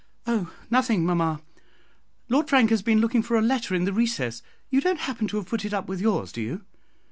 "Oh, nothing, mamma. Lord Frank has been looking for a letter in the recess. You don't happen to have put it up with yours, do you?"